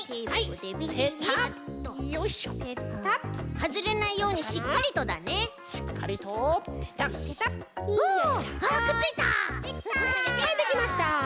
はいできました！